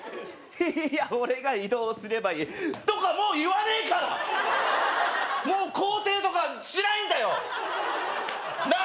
いーや俺が移動すればいいとかもう言わねえからもう肯定とかしないんだよな